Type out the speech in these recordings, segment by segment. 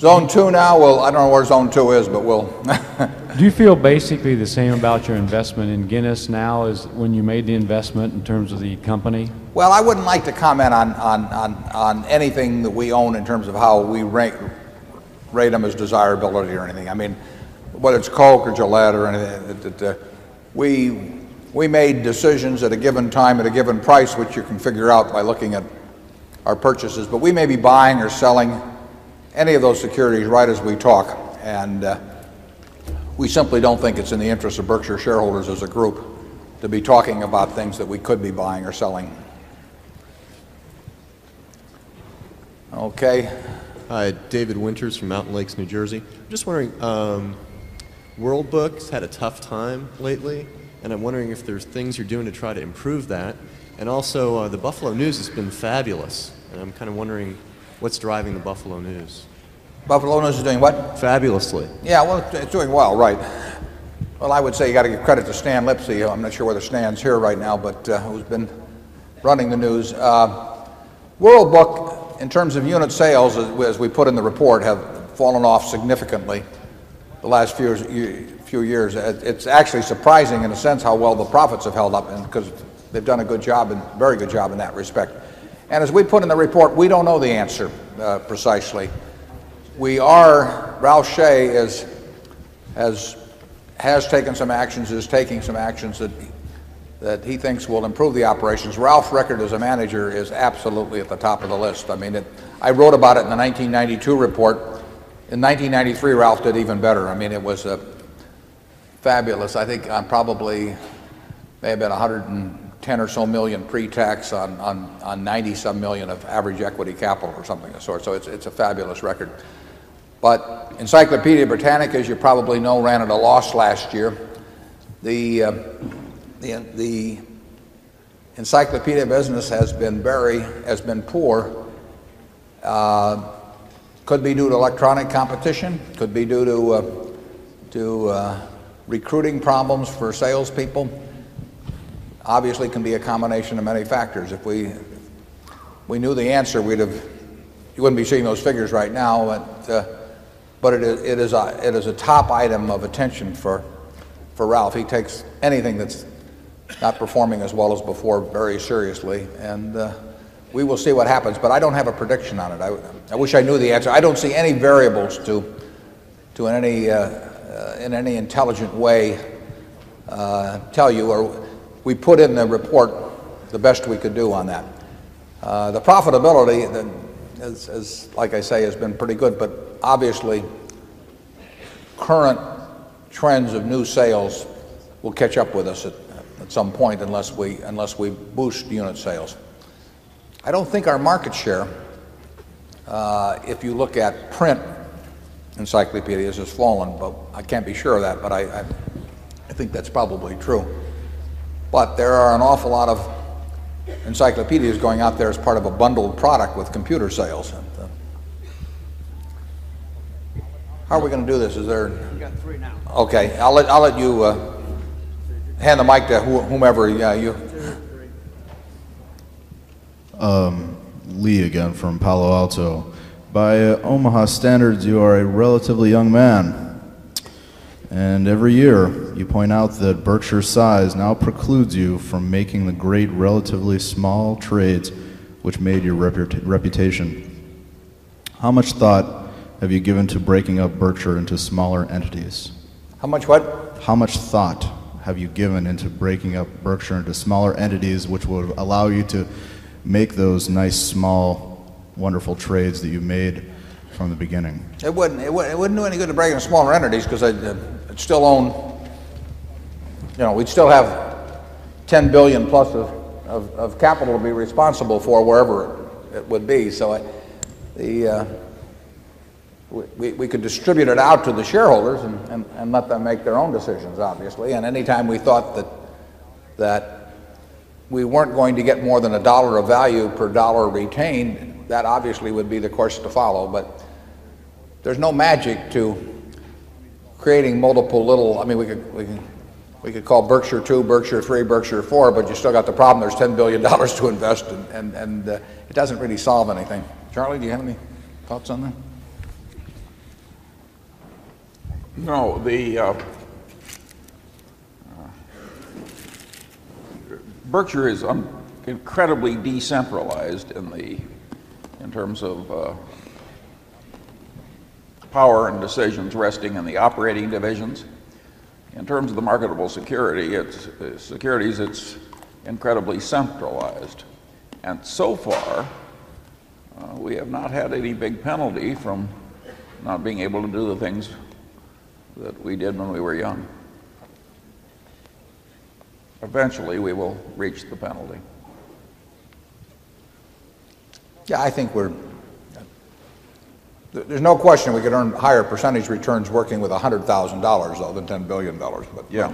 Zone 2 now, well, I don't know where zone 2 is, but we'll Do you feel basically the same about your investment in Guinness now as when you made the investment in terms of the company? Well, I wouldn't like to comment on anything that we own in terms of how we rate them as desirability or anything. I mean, whether it's Coke or Gillette or anything, we made decisions at a given time, at a given price, which you can figure out by looking at our purchases. But we may be buying or selling any of those securities right as we talk. And we simply don't think it's in the interest of Berkshire shareholders as a group to be talking about things that we could be buying or selling. Okay. Hi, David Winters from Mountain Lakes, New Jersey. Just World Books had a tough time lately, and I'm wondering if there's things you're doing to try to improve that. And also, the Buffalo News has been fabulous, And I'm kind of wondering what's driving the Buffalo News. Buffalo News is doing what? Fabulously. Yeah. Well, it's doing well. Right. Well, I would say you got to give credit to Stan Lipsky. I'm not sure whether Stan's here right now, but who's been running the news. World book, in terms of unit sales, as we put in the report, have fallen off significantly the last few years. It's actually surprising, in a sense, how well the profits have held up because they've done a good job, a very good job in that respect. And as we put in the report, we don't know the answer precisely. We are Ralph Shea has taken some actions, is taking some actions that he thinks will improve the operations. Ralph's record as a manager is absolutely at the top of the list. I mean, I wrote about it in the 1992 report. In 1993, Ralph did even better. I mean, it was fabulous, I think, probably, there have been 110 or so 1,000,000 pre tax on 90 some 1000000 of average equity capital or or something of sorts. So it's a fabulous record. But Encyclopedia Britannica, as you probably know, ran at a loss last year. The encyclopedia business has been very has been poor. Could be due to electronic competition. Could be due to recruiting problems for salespeople. Obviously, it can be a combination of many factors. If we knew the answer, we'd have you wouldn't be seeing those figures right now. But it is a top item of attention for Ralph. He takes anything that's not performing as well as before very seriously. And we will see what happens. But I don't have a prediction on it. I wish I knew the answer. I don't see any variables to, in any intelligent way, tell you. We put in a report the best we could do on that. The profitability, like I say, has been pretty good. But obviously, current trends of new sales will catch up with us at some point unless we boost unit sales. I don't think our market share, if you look at print encyclopedias, has fallen, but I can't be sure of that. But think that's probably true. But there are an awful lot of encyclopedias going out there as part of a bundled product with computer sales. How are we going to do this? Is there We got 3 now. Okay. I'll let you hand the mic to whomever. Lee again from Palo Alto. By Omaha standards, you are a relatively young man. And every year, you point out that Berkshire's size now precludes you from making the great relatively small trades which made your reputation? How much thought have you given to breaking up Berkshire into smaller entities? How much what? How much thought have you given into breaking up Berkshire into smaller entities, which will allow you to make those nice, small, wonderful trades that you've made from the beginning? It wouldn't do any good to break up smaller entities because I'd still own you know, we'd still have $10,000,000,000 plus of capital to be responsible for wherever it would be. So we could distribute it out to the shareholders and let them make their own decisions, obviously. And any time we thought that we weren't going to get more than a dollar of value per dollar retained, that obviously would be the course to follow. But there's no magic to creating multiple little I mean, we could call Berkshire II, Berkshire III, Berkshire IV, but you still got the problem. There's $10,000,000,000 to invest and it doesn't really solve anything. Charlie, do you have any thoughts on that? No. Berkshire is incredibly decentralized in terms of power and decisions resting in the operating divisions. In terms of the marketable securities, it's incredibly centralized. And so far, we have not had any big penalty from not being able to do the things that we did when we were young. Eventually, we will reach the penalty. Yeah. I think we're there's no question we could earn higher percentage returns working with $100,000,000 other than $10,000,000,000 But, yeah,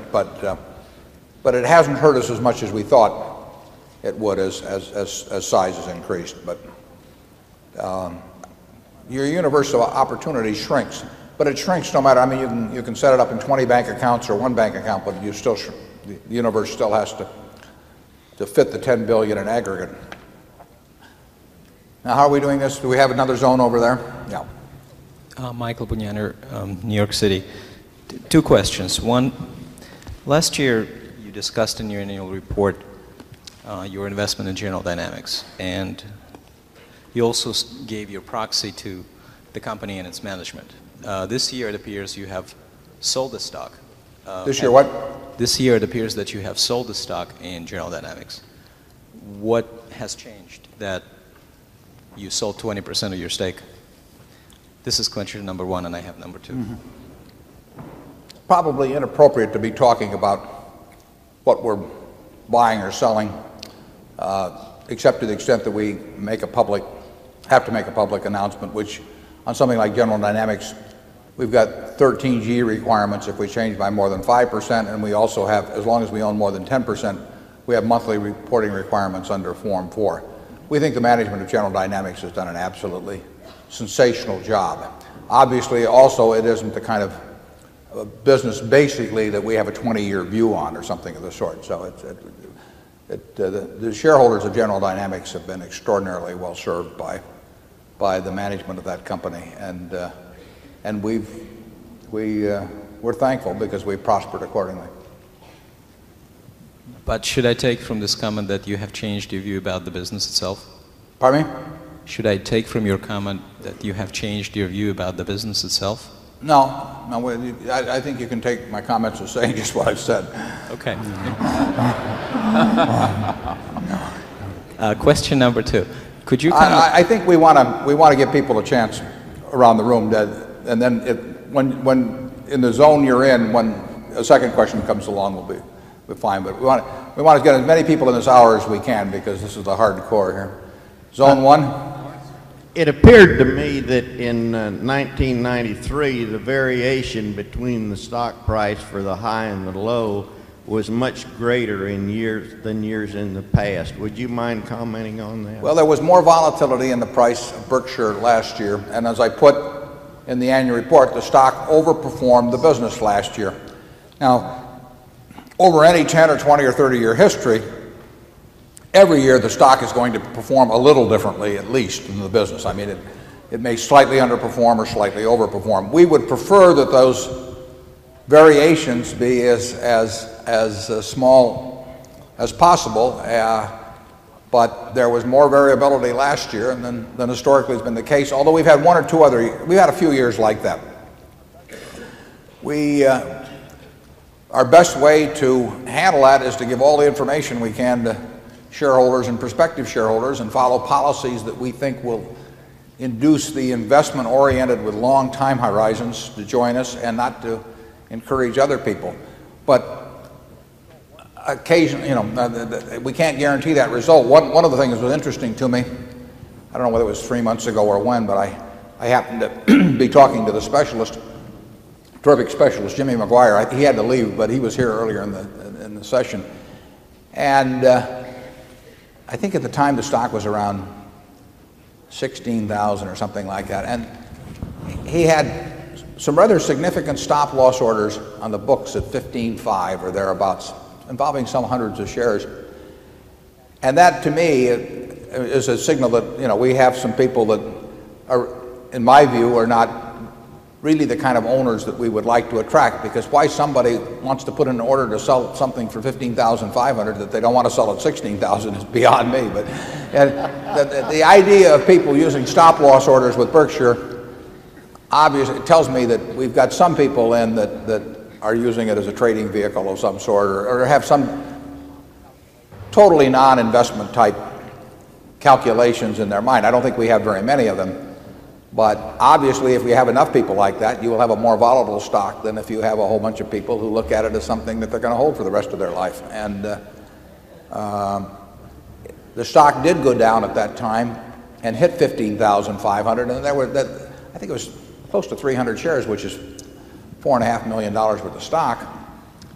but it hasn't hurt us as much as we thought it would as size has increased. But your universal opportunity shrinks, but it shrinks no matter, I mean, you can set it up in 20 bank accounts or 1 bank account, but you still, the universe still has to fit the 10,000,000,000 in aggregate. Now how are we doing this? Do we have another zone over there? Yeah. Michael Bagnonier, New York City. Two questions. 1, last year you discussed in your annual report your investment in General Dynamics, and you also gave your proxy to the company and its management. This year, it appears you have sold the stock. This year what? This year, it appears that you have sold the stock in General Dynamics. What has changed that you sold 20% of your stake? This is clincher number 1 and I have number 2. Probably inappropriate to be talking about what we're buying or selling, except to the extent that we make a public have to make a public announcement, which on something like General Dynamics, we've got 13 gs requirements if we change by more than 5% and we also have, as long as we own more than 10%, we have monthly reporting requirements under Form 4. We think the management of General Dynamics has done an absolutely sensational job. Obviously, also, it isn't the kind of business basically that we have a 20 year view on or something of the sort. So the shareholders of General Dynamics have been extraordinarily well served by the management of that company. And we're thankful because we prospered accordingly. But should I take from this comment that you have changed your view about the business itself? Pardon me? Should I take from your comment that you have changed your view about the business itself? No. No. I think you can take my comments, Hussein, is what I've said. Okay. Question number 2. Could you comment? I think we want to give people a chance around the room, and then when in the zone you're in, when a second question comes along, we'll be fine. But we want to get as many people in this hour as we can because this is the hard core here. Zone 1? It appeared to me that in 1993, the variation between the stock price for the high and the low was much greater in years than years in the past. Would you mind commenting on that? Well, there was more volatility in the price of Berkshire last year. And as I put in the annual report, the stock over performed the business last year. Now, over any 10 or 20 or 30 year history, every year, the stock is going to perform a little differently, at least, in the business. I mean, it may slightly underperform or slightly overperform. We would prefer that those variations be as small as possible. But there was more variability last year than historically has been the case, although we've had 1 or 2 other we had a few years like that. Our best way to handle that is to give all the information we can to shareholders and prospective shareholders and follow policies that we think will induce the investment oriented with long time horizons to join us and not to encourage other people. But occasionally, you know, we can't guarantee that result. One of the things that was interesting to me, I don't whether it was 3 months ago or when, but I happened to be talking to the specialist, terrific specialist, Jimmy McGuire. He had to leave, but he was here earlier in the session. And I think at the time, the stock was around 16,000 or something like that. And he had some rather significant stop loss orders on the books at 15.5 or thereabouts, involving some hundreds of shares. And that, to me, is a signal that, you know, we have some people that, in my view, are not really the kind of owners that we would like to attract because why somebody wants to put an order to sell something for 15,500 that they don't want to sell at 16,000 is beyond me. But the idea of people using stop loss orders with Berkshire obviously tells me that we've got some people in that are using it as a trading vehicle of some sort or have some totally non investment type calculations in their mind. I don't think we have very many of them. But obviously, if we have enough people like that, you will have a more volatile stock than if you have a whole bunch of people who look at it as something that they're going to hold for the rest of their life. And the stock did go down at that time and hit 15,500. And there were that I think it was close to 300 shares, which is $4,500,000 worth of stock.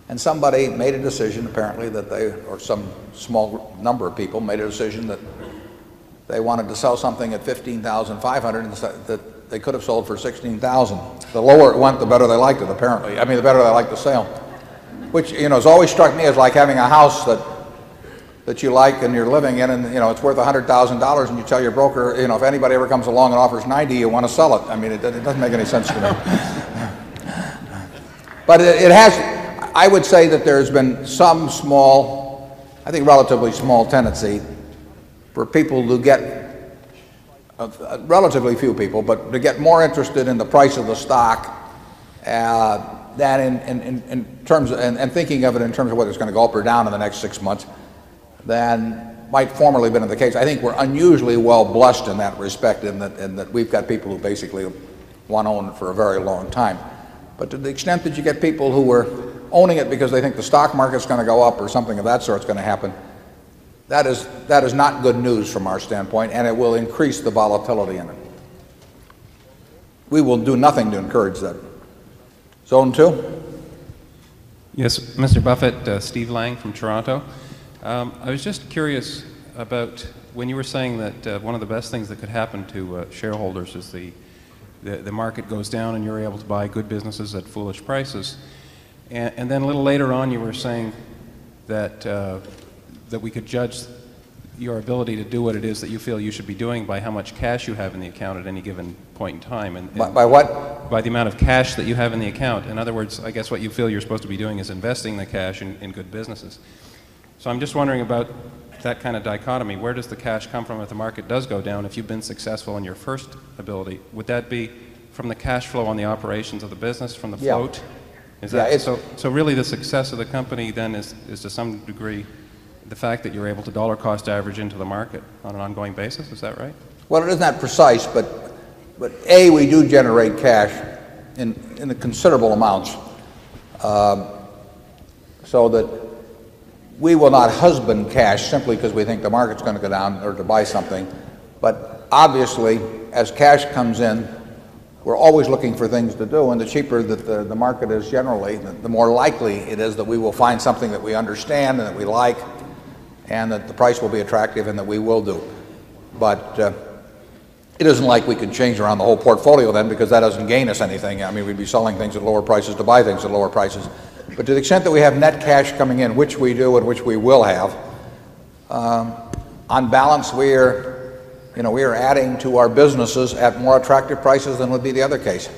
And somebody made a decision apparently that they or some small number of people made a decision that they wanted to sell something at 15,500 and said that they could have sold for 16,000. The lower it went, the better they liked it, apparently. I mean, the better they liked the sale, which, you know, has always struck me as like having a house that you like and you're living in and, you know, it's worth $100,000 and you tell your broker, you know, if anybody ever comes along and offers $90,000 you want to sell it. I mean, it doesn't make any sense to them. But it has I would say that there has been some small I think relatively small tendency for people to get relatively few people but to get more interested in the price of the stock than in terms and thinking of it in terms of whether it's going to go up or down in the next 6 months than might formerly been of the case. I think we're unusually well blessed in that respect in that we've got people who basically want to own it for a very long time. But to the extent that you get people who were owning it because they think the stock market's going to go up or something of that sort is going to happen, that is that is not good news from our standpoint and it will increase the volatility in it. We will do nothing to encourage that. Zone 2. Yes. Mr. Buffet, Steve Lang from Toronto. I was just curious about when you were saying that one of the best things that could happen to shareholders is the market goes down and you're able to buy good businesses at foolish prices. And then a little later on, you were saying that we could judge your ability to do what it is that you feel you should be doing by how much cash you have in the account at any given point in time. By what? By the amount of cash that you have in the account. In other words, I guess what you feel you're supposed to be doing is investing the cash in good businesses. So I'm just wondering about that kind of dichotomy. Where does the cash come from if the market does go down if you've been successful in your first ability? Would that be from the cash flow on the operations of the business from the float? Yes. So really, the success of the company then is to some degree the fact that you're able to dollar cost average into the market on an ongoing basis. Is that right? Well, it is not precise, but, a, we do generate cash in the considerable amounts. So that we will not husband cash simply because we think the market's going to go down or to buy something. But obviously, as cash comes in, we're always looking for things to do. And the cheaper that the market is generally, the more likely it is that we will find something that we understand and that we like and that the price will be attractive and that we will do. But it isn't like we could change around the whole portfolio then because that doesn't gain us anything. I mean, we'd be selling things at lower prices to buy things at lower prices. But to the extent that we have net cash coming in, which we do and which we will have, on balance, we are adding to our businesses at more attractive prices than would be the other case.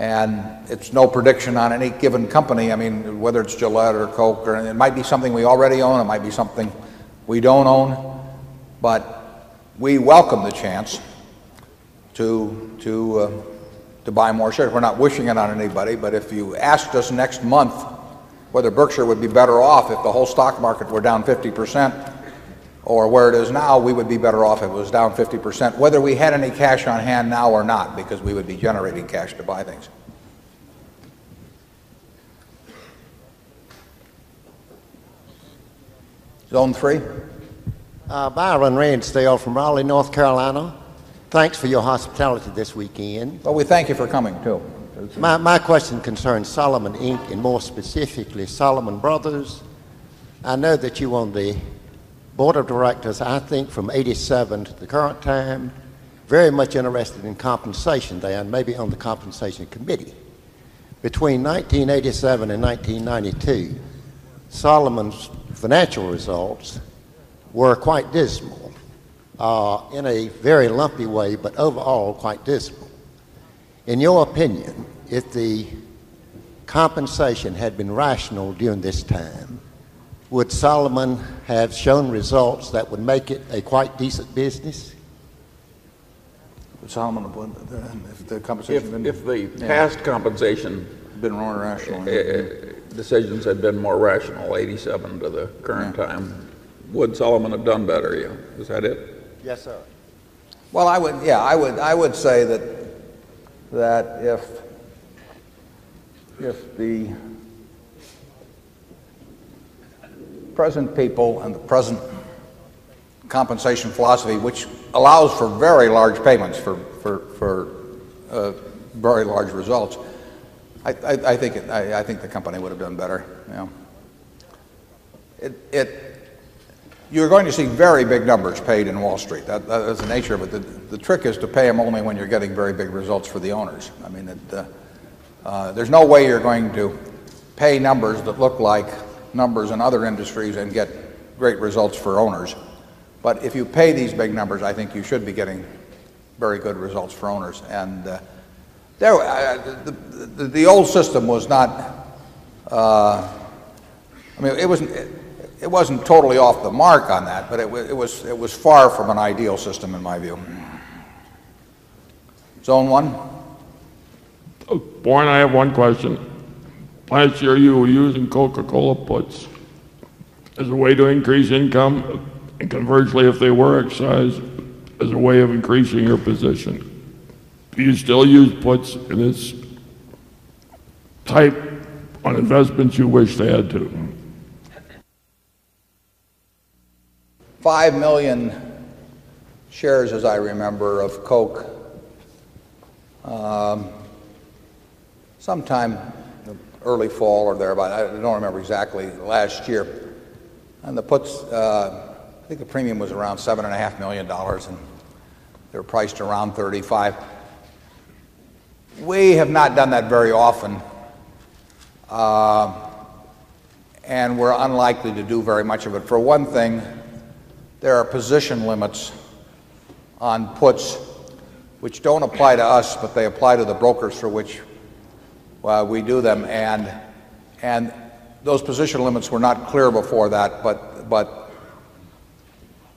And it's no prediction on any given company, I mean, whether it's Gillette or Coke or anything. It might be something we already own. It might be something we don't own. But we welcome the chance to buy more shares. We're not wishing it on anybody. But if you asked us next month whether Berkshire would be better off if the whole stock market were down 50% or where it is now, we would be better off if it was down 50%, whether we had any cash on hand now or not because we would be generating cash to buy things. Byron Randstale from Raleigh, North Carolina. Thanks for your hospitality this weekend. Oh, we thank you for coming too. My question concerns Solomon Inc. And more specifically, Solomon Brothers. I know that you won the board of directors, I think, from 87 to the current time. Very much interested in compensation. They are maybe on the compensation committee. Between 1987 and 1992, Solomon's financial results were quite dismal, in a very lumpy way, but overall quite dismal. In your opinion, if the compensation had been rational during this time, would Solomon have shown results that would make it quite decent business? Solomon, the compensation If the past compensation decisions had been more rational, 'eighty seven to the current time, would Sullivan have done better? Is that it? Yes, sir. Well, I would yeah. I would say that if the present people and the present compensation philosophy, which allows for very large payments for very large results, I think the company would have done better. You're going to see very big numbers paid in Wall Street. That's the nature of it. The trick is to pay them only when you're getting very big results for the owners. I mean, there's no way you're going to pay numbers that look like numbers in other industries and get great results for owners. But if you pay these big numbers, I think you should be getting very good results for owners. And the old system was not I mean, it wasn't totally off the mark on that, but it was far from an ideal system, in my view. So on 1. Warren, I have one question. Last year, you were using Coca Cola puts as a way to increase income and convergently if they were exercised as a way of increasing your position. Do you still use puts in this type on investments you wish they had to? 5,000,000 shares, as I remember, of Coke. Sometime early fall or there, but I don't remember exactly, last year. And the puts, I think the premium was around $7,500,000 and they're priced around 35. We have not done that very often and we're unlikely to do very much of it. For one thing, there are position limits on puts which don't apply to us, but they apply to the brokers for which we do them. And those position limits were not clear before that, but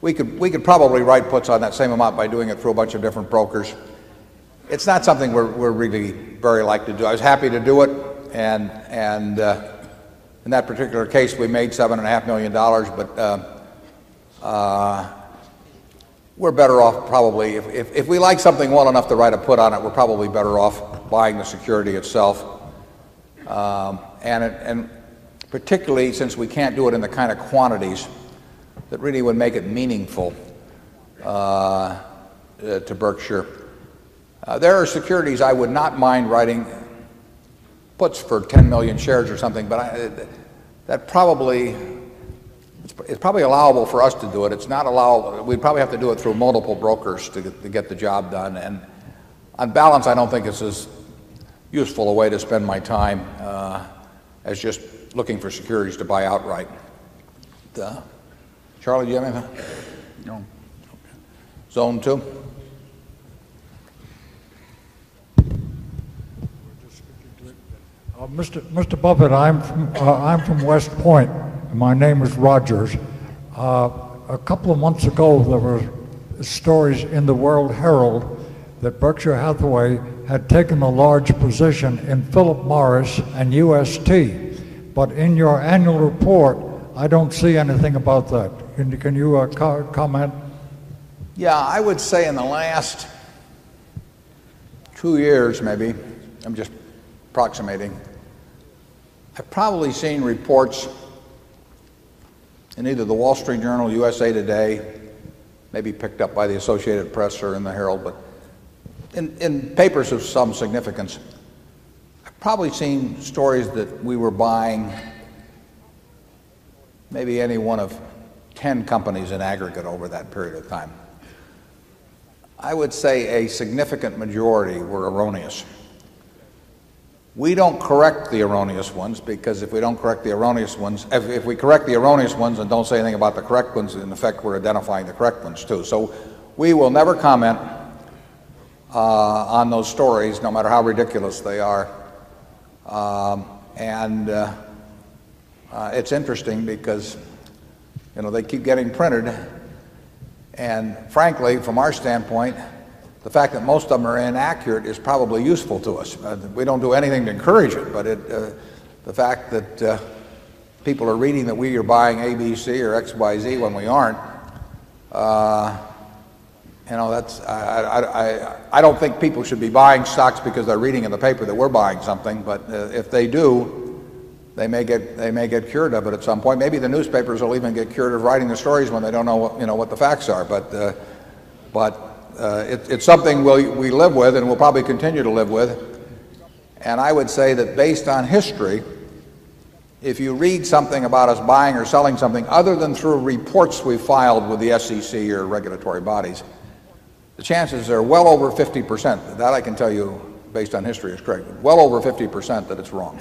we could probably write puts on that same amount by doing it through a bunch of different brokers. It's not something we're really very likely to do. I was happy to do it. And in that particular case, we made $7,500,000 but we're better off probably if we like something well enough to write a put on it, we're probably better off buying the security itself. And particularly, since we can't do it in the kind of quantities that really would make it meaningful to Berkshire, There are securities I would not mind writing puts for 10,000,000 shares or something, but that probably it's probably allowable for us to do it. It's not allowed we probably have to do it through multiple brokers to get the job done. And on balance, I don't think it's as useful a way to spend my time as just looking for securities to buy outright. Charlie, do you have anything? No. Zone 2. Mister Buffet, I'm from West Point. My name is Rogers. A couple of months ago, there were stories in the World Herald that Berkshire Hathaway had taken a large position in Philip Morris and UST. But in your annual report, I don't see anything about that. Can you comment? Yeah. I would say in the last 2 years maybe, I'm just approximating, I've probably seen reports in either the Wall Street Journal, USA Today, maybe picked up by the Associated Press or in The Herald, but in papers of some significance, I've probably seen stories that we were buying maybe any one of 10 companies in aggregate over that period of time. I would say a significant majority were erroneous. We don't correct the erroneous ones because if we don't correct the erroneous ones if we correct the erroneous ones and don't say anything about the correct ones, in effect, we're identifying the correct ones too. So we will never comment on those stories, no matter how ridiculous they are. And it's interesting because, you know, they keep getting printed. And frankly, from our standpoint, the fact that most of them are inaccurate is probably useful to us. We don't do anything to encourage it. But the fact that people are reading that we are buying A, B, C or X, Y, Z when we aren't, You know, that's I don't think people should be buying stocks because they're reading in the paper that we're buying something. But if they do, they may get cured of it at some point. Maybe the newspapers will even get cured of writing the stories when they don't know what, you know, what the facts are. But it's something we live with and we'll probably continue to live with. And I would say that based on history, if you read something about us buying or selling something other than through reports we filed with the SEC or regulatory bodies, the chances are well over 50%. That I can tell you based on history is correct. Well over 50% that it's wrong.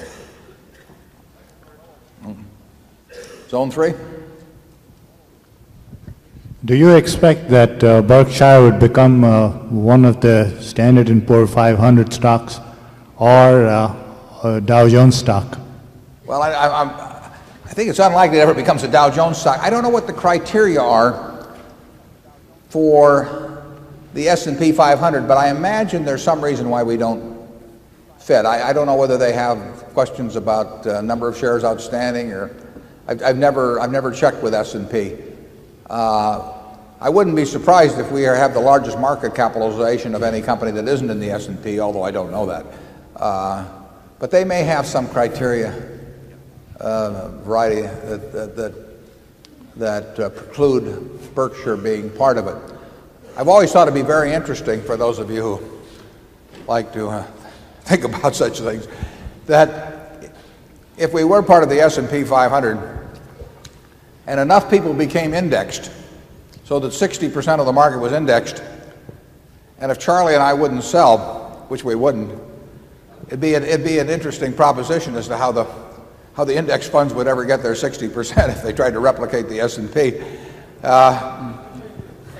Zone 3? Do you expect that Berkshire would become one of the Standard and Poor 500 stocks or Dow Jones stock? Well, I think it's unlikely that ever becomes a Dow Jones stock. I don't know what the criteria are for the S and P 500, but I imagine there's some reason why we don't fit. I don't know whether they have questions about number of shares outstanding or I've never checked with S and P. I wouldn't be surprised if we have the largest market capitalization of any company that isn't in the S and P, although I don't know that. But they may have some criteria, a variety that preclude Berkshire being part of it. I've always thought it'd be very interesting for those of you who like to think about such things that if we were part of the S and P 500 and enough people became indexed so that 60% of the market was indexed, And if Charlie and I wouldn't sell, which we wouldn't, it'd be an interesting proposition as to how the index funds would ever get their 60% if they tried to replicate the S and P.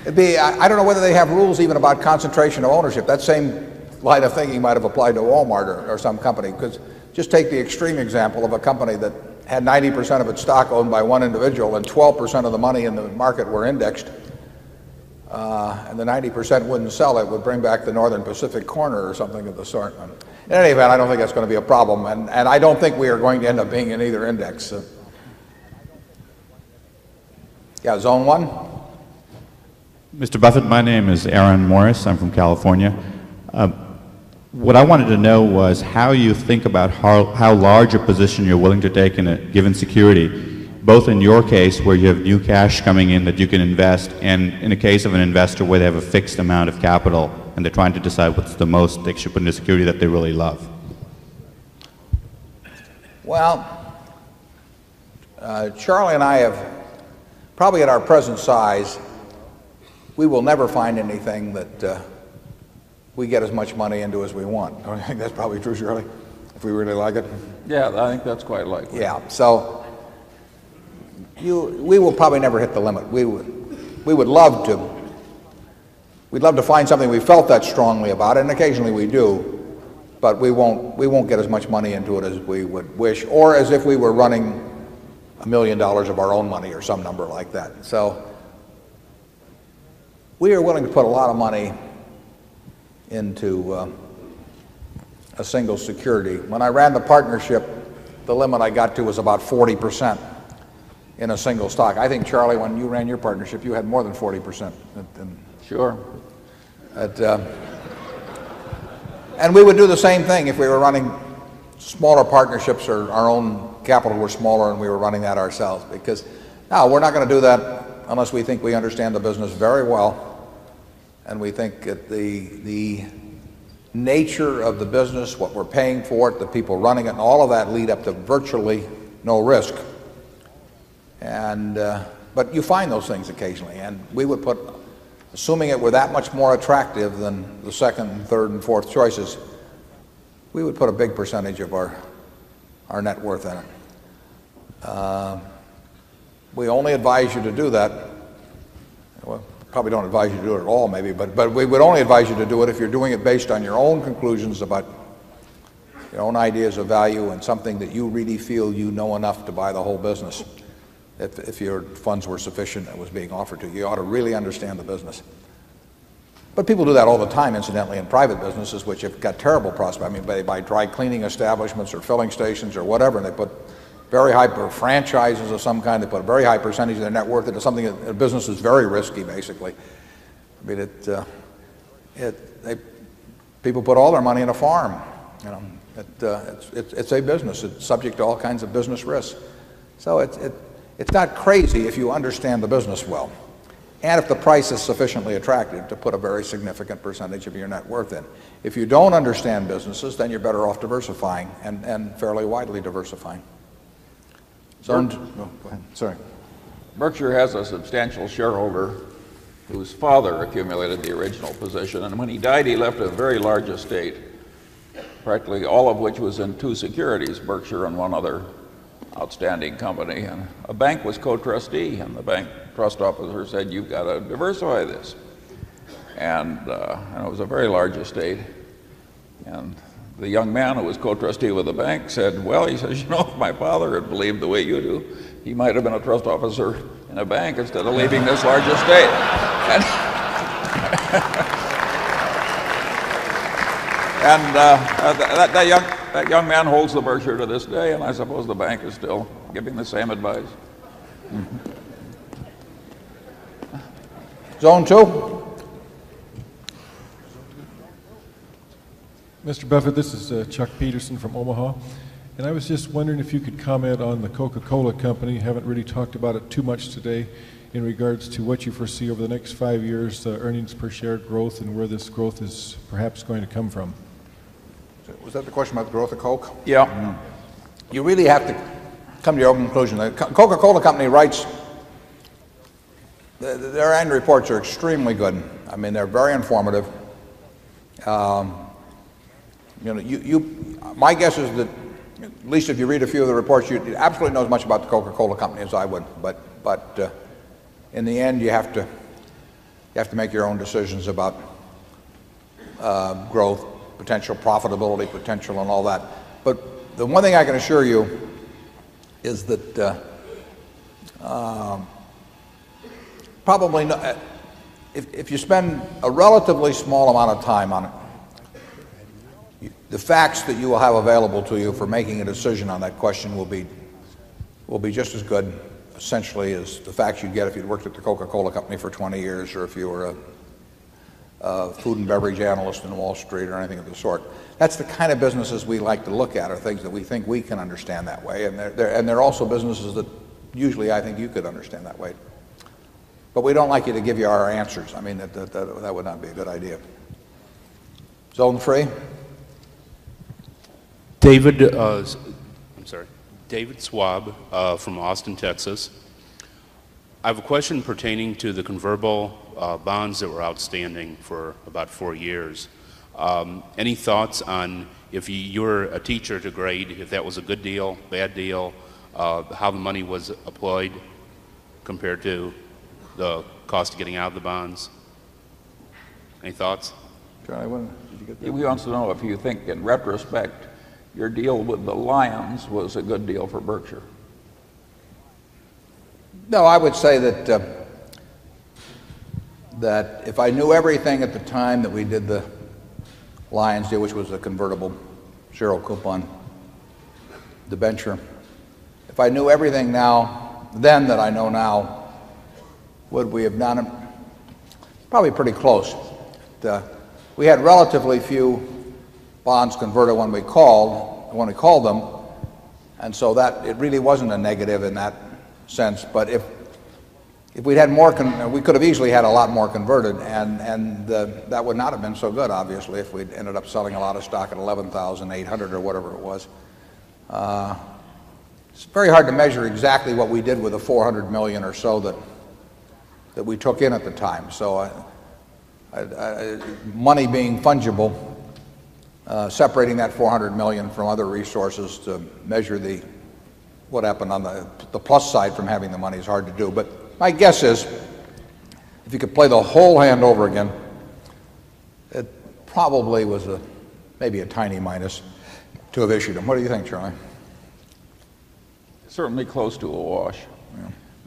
I don't know whether they have rules even about concentration of ownership. That same line of thinking might have applied to Walmart or some company. Because just take the extreme example of a company that had 90% of its stock owned by 1 individual and 12% of the money in the market were indexed, and the 90% wouldn't sell it, it would bring back the Northern Pacific corner or something of the sort. Anyway, I don't think that's going to be a problem. And I don't think we are going to end up being in either index. Yes, Zone 1. Mr. Buffet, my name is Aaron Morris. I'm from California. What I wanted to know was how you think about how large a position you're willing to take in a given security, both in your case where you have new cash coming in that you can invest and in the case of an investor where they have a fixed amount of capital and they're trying to decide what's the most they should put in the security that they really love? Well, Charlie and I have probably at our present size, we will never find anything that we get as much money into as we want. I think that's probably true, Charlie, if we really like it. Yeah, I think that's quite like it. Yeah. So we will probably never hit the limit. We would love to. We'd love to find something we felt that strongly about and occasionally we do, but we won't get as much money into it as we would wish or as if we were running $1,000,000 of our own money or some number like that. So we are willing to put a lot of money into a single security. When I ran the partnership, the limit I got to was about 40% in a single stock. I think, Charlie, when you ran your partnership, you had more than 40%. And sure. And we would do the same thing if we were running smaller partnerships or our own capital were smaller and we were running that ourselves because now we're not going to do that unless we think we understand the business very well and we think that the nature of the business, what we're paying for it, the people running it, and all of that lead up to virtually no risk. And, but you find those things occasionally. And we would put assuming it were that much more attractive than the second, third, and fourth choices, we would put a big percentage of our net worth in it. We only advise you to do that. Well, We value and something that you really feel you know enough to buy the whole business if your funds were sufficient and was being offered to you. You ought to really understand the business. But people do that all the time incidentally in private businesses, which have got terrible prospects. I mean, they buy dry cleaning establishments or filling stations or whatever, and they put very high for franchises of some kind. They put a very high percentage of their network into something that a business is very risky, basically. I mean, it people put all their money in a farm. It's a business. It's subject to all kinds of business risks. So it's not crazy if you understand the business well and if the price is sufficiently attractive to put a very significant percentage of your net worth in. If you don't understand businesses, then you're better off diversifying and fairly widely diversifying. Sir, no, go ahead. Sorry. Berkshire has a substantial shareholder whose father accumulated the original position. And when he died, he left a very large estate, frankly, all of which was in 2 securities, Berkshire and one other outstanding company. And a bank was co trustee and the bank trust officer said, you've got to diversify this. And it was a very large estate and the young man who was co trustee with the bank said, well, he says, you know, if my father had believed the way you do, he might have been a trust officer in a bank instead of leaving this larger state. And that young man holds the virtue to this day. And I suppose the bank is still giving the same advice. John 2. Mr. Buffett, this is Chuck Peterson from Omaha. And I was just wondering if you could comment on the Coca Cola Company. Haven't really talked about it too much today in regards to what you foresee over the next 5 years earnings per share growth and where this growth is perhaps going to come from? Was that the question about the growth of Coke? Yeah. You really have to come to your own conclusion. Coca Cola Company writes their annual reports are extremely good. I mean, they're very informative. You know, you my guess is that at least if you read a few of the reports, you absolutely know as much about the Coca Cola Company as I would. But in the end, you have to make your own decisions about growth, potential profitability, potential and all that. But the one thing I can assure you is that probably if you spend a relatively small amount of time on it, the facts that you will have available to you for making a decision on that question will be just as good, essentially, as the facts you'd get if you'd worked at the Coca Cola Company for 20 years or if you were a food and beverage analyst in Wall Street or anything of the sort. That's the kind of businesses we like to look at are things that we think we can understand that way and there are also businesses that usually I think you could understand that way. But we don't like you to give you our answers. I mean that would not be a good idea. Zolton Frey? David, I'm sorry, David Schwab from Austin, Texas. I have a question pertaining to the convertible bonds that were outstanding for about 4 years. Any thoughts on if you're a teacher to grade, if that was a good deal, bad deal, how the money was employed compared to the cost of getting out of the bonds? Any thoughts? We want to know if you think, in retrospect, your deal with the Lions was a good deal for Berkshire. No. I would say that if I knew everything at the time that we did the Lions Day, which was a convertible Sheryl coupon debenture. If I knew everything now then that I know now, would we have done it? Probably pretty close. We had relatively few bonds converted when we called them. And so that it really wasn't a negative in that sense. But if we had more we could have easily had a lot more converted. And that would not have been so good, obviously, if we'd ended up selling a lot of stock at 11,800 or whatever it was. It's very hard to measure exactly what we did with the $400,000,000 or so that we took in at the time. So money being fungible, separating that $400,000,000 from other resources to measure the what happened on the plus side from having the money is hard to do. But my guess is, if you could play the whole hand over again, it probably was maybe a tiny minus to have issued them. What do you think, Charlie? Certainly close to a wash.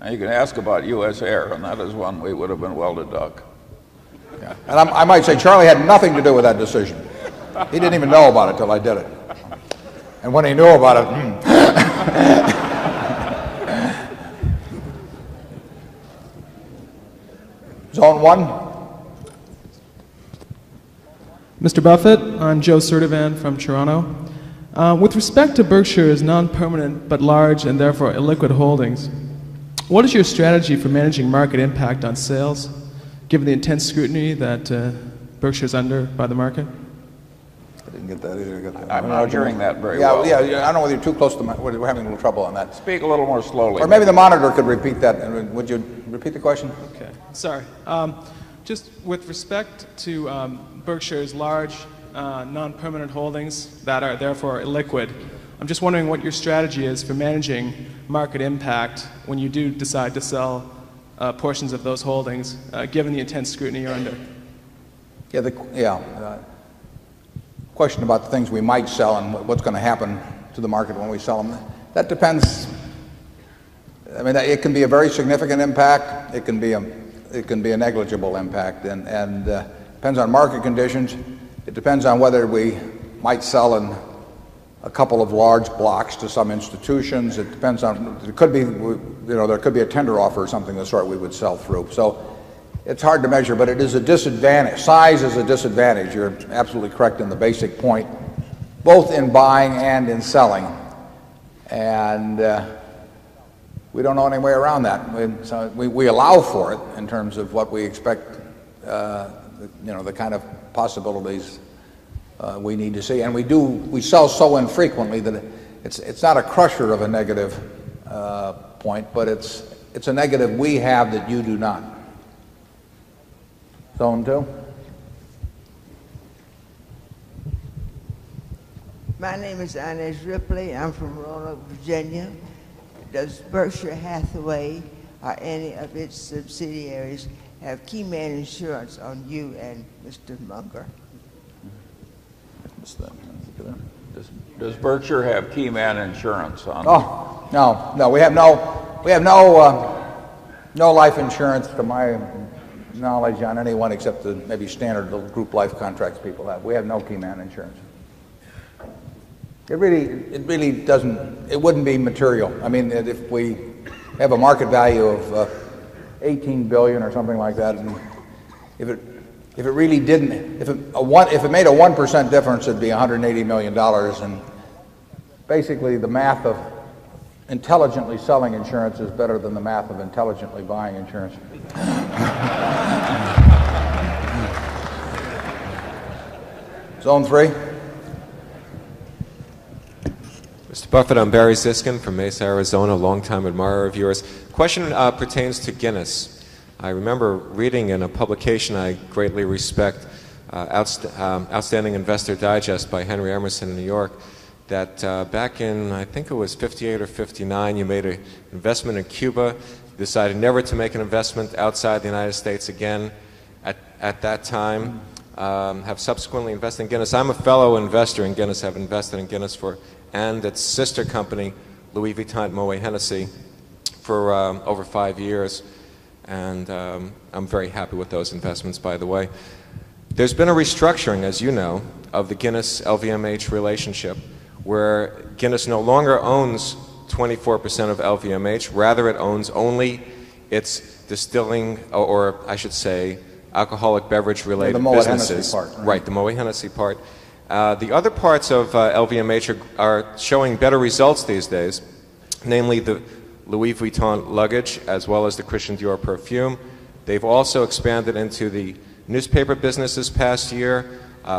And you can ask about U. S. Air and that is when we would have been well to duck. And I might say, Charlie had nothing to do with that decision. He didn't even know about it until I did it. And when he knew about it Mr. Buffet, I'm Joe Sertivan from Toronto. With respect to Berkshire's non permanent but large and therefore illiquid holdings, what is your strategy for managing market impact on sales, given the intense scrutiny that Berkshire is under by the market? I didn't get that either. I'm not hearing that very well. Yes. I don't know whether you're too close to we're having a little trouble on Speak a little more slowly. Or maybe the monitor could repeat that. Would you repeat the question? Okay. Sorry. Just with respect to Berkshire's large non permanent holdings that are therefore illiquid, I'm just wondering what your strategy is for managing market impact when you do decide to sell portions of those holdings, given the intense scrutiny you're under? Yeah. Question about the things we might sell and what's going to happen to the market when we sell them, that depends. I mean, it can be a very significant impact. It can be a negligible impact and depends on market conditions. It depends on whether we might sell in a couple of large blocks to some institutions. It depends on there could be a tender offer or something of the sort we would sell through. So it's hard to measure, but it is a disadvantage. Size is a disadvantage. You're absolutely correct in the basic point, both in buying and in selling. And we don't know any way around that. So we allow for it in terms of what we expect, you know, the kind of possibilities we need to see. And we do we sell so infrequently that it's not a crusher of a negative point, but it's a negative we have that you do not. Phone 2. My name is Anais Ripley. I'm from Roanoke, Virginia. Does Berkshire Hathaway or any of its subsidiaries have keyman insurance on you and Mr. Munger? Does Berkshire have Keyman insurance on? No, no. We have no life insurance to my knowledge on anyone except maybe standard group life contracts people have. We have no key man insurance. It really doesn't it wouldn't be material. I mean, if we have a market value of $18,000,000,000 or something like that and if it really didn't if it made a 1% difference, it'd be $180,000,000 And basically, the math of intelligently selling insurance is better than the math of intelligently buying insurance. Zone 3. Mr. Buffet, I'm Barry Ziskin from Mesa, Arizona, longtime admirer of yours. Question pertains to Guinness. I remember reading in a publication I greatly respect, Outstanding Investor Digest by Henry Emerson in New that back in I think it was 'fifty 8 or 'fifty 9 you made an investment in Cuba, decided never to make an investment outside the United States again at that time, have subsequently invested in Guinness. I'm a fellow investor in Guinness. I've invested in Guinness for and its sister company, Louis Vuitton Moet Hennessy for over 5 years. And I'm very happy with those investments by the way. There's been a restructuring as you know of the Guinness LVMH relationship where Guinness no longer owns 24% of LVMH, rather it owns only its distilling or I should say alcoholic beverage related to the The Moi Hennessy part. Right. The Moi Hennessy part. The other parts of LVMH are showing better results these days, namely the Louis Vuitton luggage as well as the Christian Dior perfume. They've also expanded into the newspaper business this past year,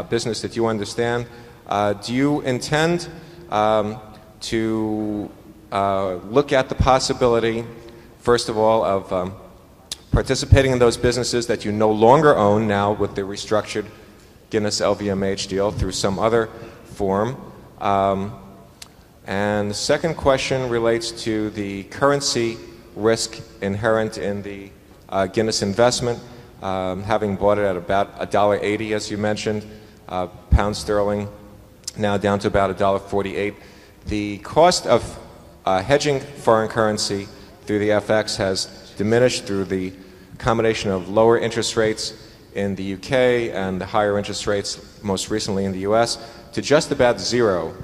business that you understand. Do you intend to look at the possibility, first of all, of participating in those businesses that you no longer own now with the restructured Guinness LVMH deal through some other form? And the second question relates to the currency risk inherent in the Guinness investment, having bought it at about $1.80 as you mentioned, £1.30 now down to about 1.48 dollars The cost of hedging foreign currency through the FX has diminished through the combination of lower interest rates in the U. K. And the higher interest rates most recently in the U. S. To just about 0.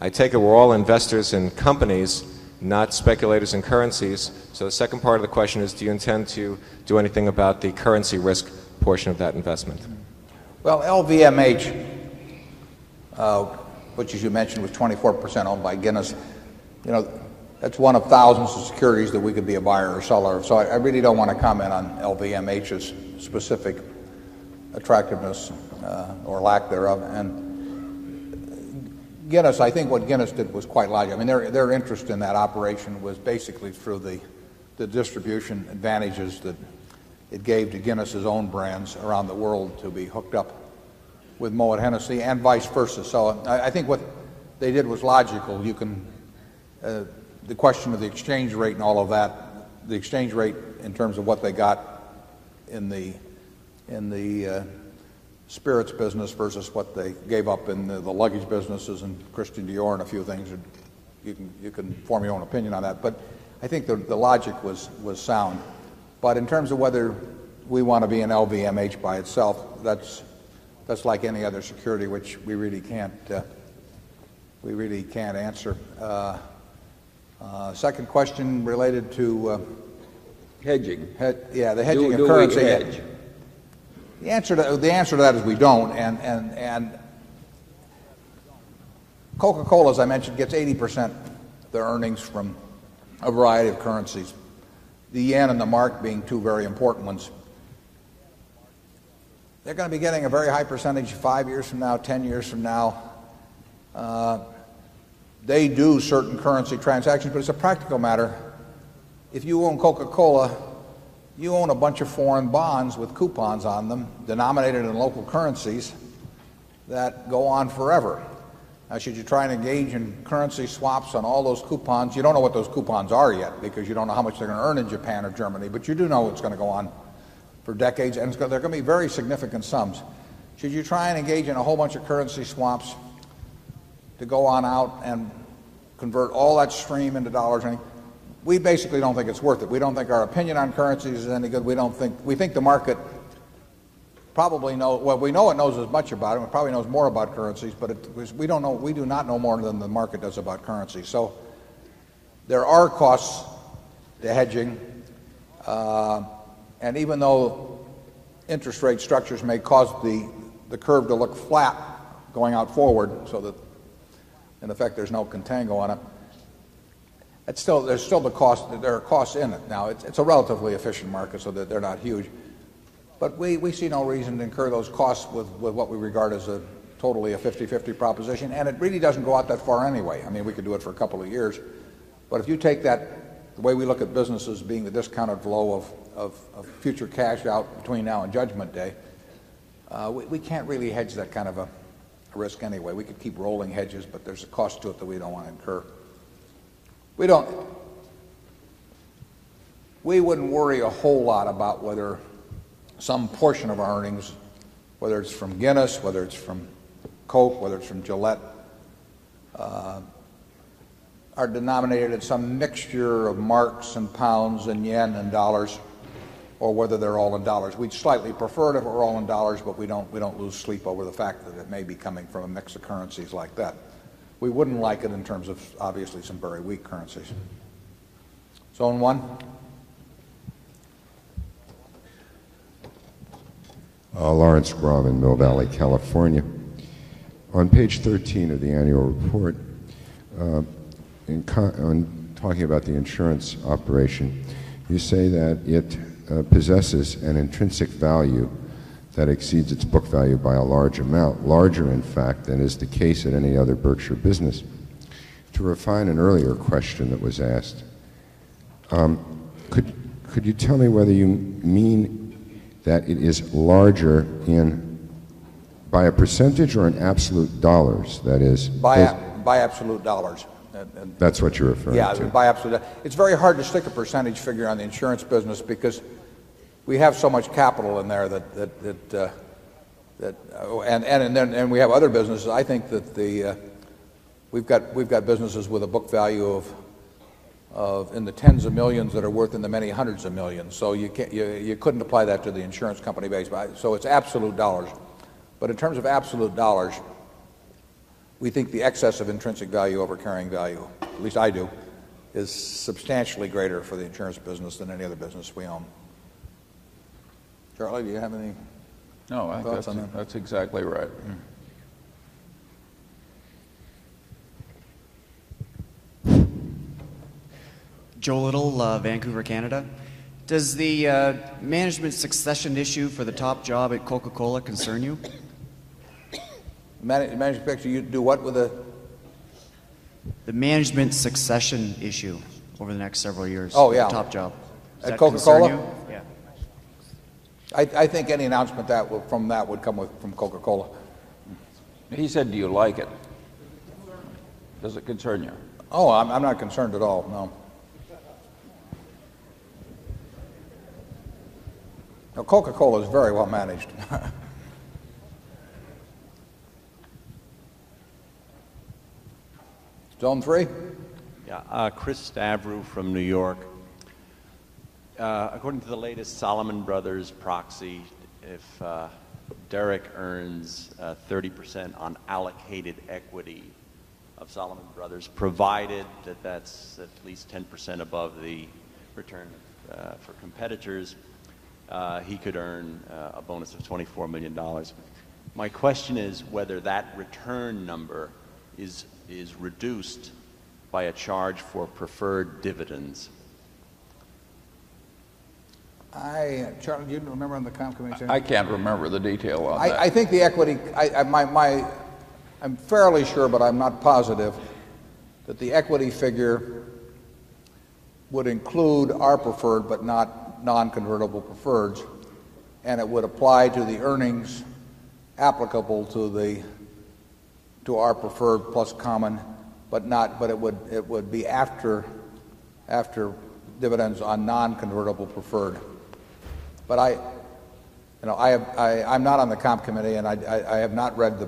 I take it we're all investors in companies, not speculators in currencies. So the second part of the question is, do you intend to do anything about the currency risk portion of that investment? Well, LVMH, which as you mentioned, was 24% owned by Guinness, you know, that's one of thousands of securities that we could be a buyer or seller. So I really don't want to comment on LVMH's specific attractiveness or lack thereof. And, Guinness, I think what Guinness did was quite likely. I mean, their interest in that operation was basically through the distribution advantages that it gave to Guinness's own brands around the world to be hooked up with Moet Hennessy and vice versa. So I think what they did was logical. You can the question of the exchange rate and all of that, the exchange rate in terms of what they got in the spirits business versus what they gave up in the luggage businesses and Christian Dior and a few things, you can you can form your own opinion on that. But I think the logic was sound. But in terms of whether we want to be an LVMH by itself, that's like any other security which we really can't answer. 2nd question related to hedging. The answer to that is we don't. And Coca Cola, as I mentioned, gets 80% their earnings from a variety of currencies, the yen and the mark being 2 very important ones. They're going to be getting a very high percentage 5 years from now, 10 years from now. They do certain currency transactions, but it's a practical matter. If you own Coca Cola, you own a bunch of foreign bonds with coupons on them denominated in local currencies that go on forever. Should you try and engage in currency swaps on all those coupons? You don't know what those coupons are yet because you don't know how much they're going to earn in Japan or Germany, but you do know it's going to go on for decades and it's going to there can be very significant sums. Should you try and engage in a whole bunch of currency swamps to go on out and convert all that stream into dollars. We basically don't think it's worth it. We don't think our opinion on currencies is any good. We don't think we think the market probably know what we know it knows as much about it and probably knows more about currencies, but we don't know we do not know more than the market does about currency. So there are costs to hedging. And even though interest rate structures may cause the curve to look flat going out forward so that and the fact there's no contango on it, it's still there's still the cost there are costs in it Now it's a relatively efficient market, so they're not huge. But we see no reason to incur those costs with what we regard as a totally a fifty-fifty proposition. And it really doesn't go out that far anyway. I mean, we could do it for a couple of years. But if you take that the way we look at businesses being the discounted flow of future cash out between now and judgment day, we can't really hedge that kind of a risk anyway. We could keep rolling hedges, but there's a cost to it that we don't want to incur. We don't we wouldn't worry a whole lot about whether some portion of our earnings, whether it's from Guinness, whether it's from Coke, whether it's from Gillette, are denominated at some mixture of marks and pounds and yen and dollars or whether they're all in dollars. We'd slightly prefer it if it were all in dollars, but we don't lose sleep over the fact that it may be coming from a mix of currencies like that. We wouldn't like it in terms of obviously some very weak currencies. Zone 1? Lawrence Robb in Mill Valley, California. On Page 13 of the annual report, talking about the insurance operation, you say that it possesses an intrinsic value that exceeds its book value by a large amount, larger in fact than is the case in any other Berkshire business. To refine an earlier question that was asked, could you tell me whether you mean that it is larger in by a percentage or in absolute dollars that is? By absolute dollars. That's what you're referring to. Yes. It's very hard to stick a percentage figure on the insurance business because we have so much capital in there that and we have other businesses. I think that we've got businesses with a book value of in the tens of 1,000,000 that are worth in the many 100 of 1,000,000. So you couldn't apply that to the insurance company base. So it's absolute dollars. But in terms of absolute dollars, we think the excess of intrinsic value over carrying value, at least I do, is substantially greater for the insurance business than any other business we own. Charlie, do you have any thoughts on that? No, I think that's exactly right. Joel Little, Vancouver, Canada. Does the management succession issue for the top job at Coca Cola concern you? Management, you do what with the The management succession issue over the next several years. Oh, yeah. Top job. At Coca Cola? Yeah. I think any announcement that from that would come from Coca Cola. He said, do you like it? Does it concern you? Oh, I'm not concerned at all. No. Coca Cola is very well managed. Stone 3. Yeah. Chris Stavrou from New York. According to the latest Solomon Brothers proxy, if Derek earns 30% on allocated equity of Salomon Brothers provided that, that's at least 10% above the return for competitors, he could earn a bonus of $24,000,000 My question is whether that return number is reduced by a charge for preferred dividends? I, Charlie, do you remember on the comment section? I can't remember the detail of that. I think the equity, I'm fairly sure, but I'm not positive that the equity figure would include our preferred but not non convertible preferreds and it would apply to the earnings applicable to the to our preferred plus common but not but it would be after dividends on non convertible preferred. But I, you know, I'm not on the Comp Committee and I have not read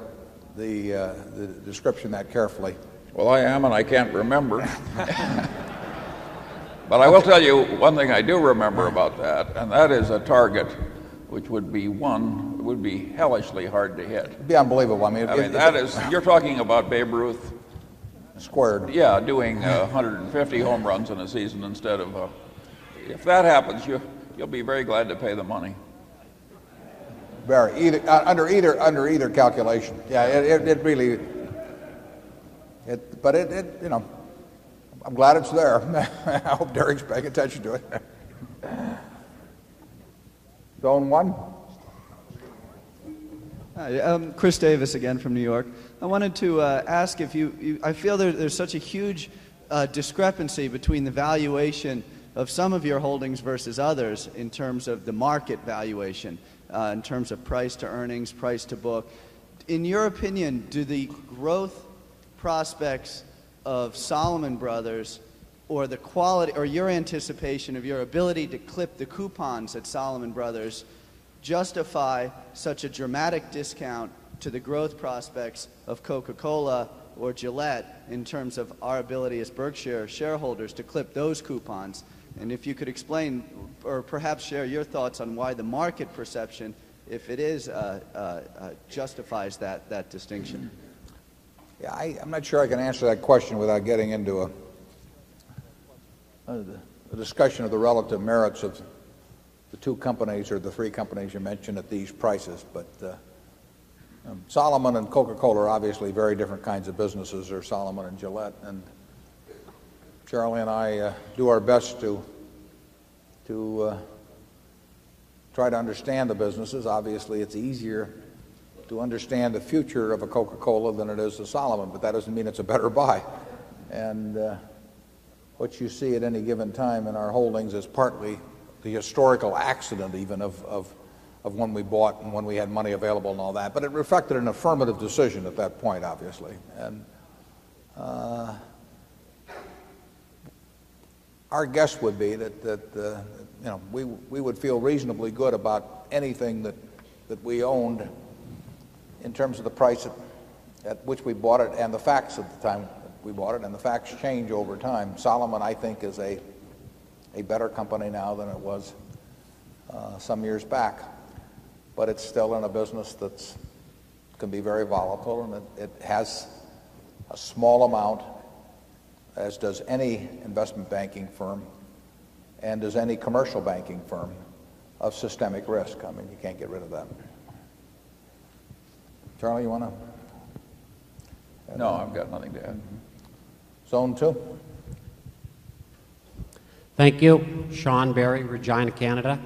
the description that carefully. CHIEF Well, I am and I can't remember. But I will tell you one thing I do remember about that and that is a target which would be, 1, would be hellishly hard to hit. It'd be unbelievable. Let me You're talking about Babe Ruth Squared. Yeah, doing 150 home runs in a season instead of if that happens, you'll be very glad to pay the money. Under either calculation. Yeah, it really it but it you know, I'm glad it's there. I hope Derek's paying attention to it. Going 1. Chris Davis again from New York. I wanted to ask if you I feel there's such a huge discrepancy between the valuation of some of your holdings versus others in terms of the market valuation, in terms of price to earnings, price to book. In your opinion, do the growth prospects of Salomon Brothers or the quality or your anticipation of your ability to clip the coupons at Salomon Brothers justify such a dramatic discount to the growth prospects of Coca Cola or Gillette in terms of our ability as Berkshire shareholders to clip those coupons? And if you could explain or perhaps share your thoughts on why the market perception, if it is, justifies that distinction? Yeah. I'm not sure I can answer that question without getting into a discussion of the relative merits of the 2 companies or the 3 companies you mentioned at these prices. But Solomon and Coca Cola are obviously very different kinds of businesses. There's Solomon and Gillette. And Charlie and I do our best to try to understand the businesses. Obviously, it's easier to understand the future of a Coca Cola than it is a Solomon, but that doesn't mean it's a better buy. And, what you see at any given time in our holdings is partly the historical accident even of when we bought and when we had money available and all that. But it reflected an affirmative decision at that point, obviously. And our guess would be that, you know, we would feel reasonably good about anything that we owned in terms of the price at which we bought it and the facts at the time we bought it and the facts change over time. Solomon, I think, is a better company now than it was some years back, but it's still in a business that can be very volatile and it has a small amount, as does any investment banking firm and does any commercial banking firm, of systemic risk? I mean, you can't get rid of that. Charlie, you want to? No, I've got nothing to add. Zone 2. Thank you. Sean Barry, Regina Canada.